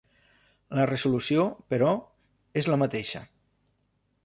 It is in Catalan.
La resolució, però, és la mateixa.